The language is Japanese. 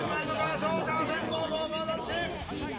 勝者は先攻後攻どっち？